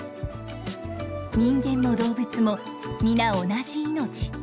人間も動物も皆同じ命。